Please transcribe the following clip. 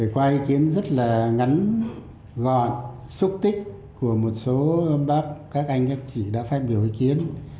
qua ý kiến rất là ngắn gọn xúc tích của một số bác các anh các chị đã phát biểu ý kiến